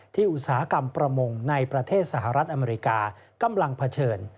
อุตสาหกรรมประมงในประเทศสหรัฐอเมริกากำลังเผชิญ